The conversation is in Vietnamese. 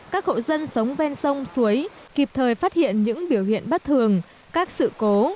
các hộ dân sống ven sông suối kịp thời phát hiện những biểu hiện bất thường các sự cố